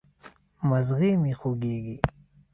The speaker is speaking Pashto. مځغی مي خوږیږي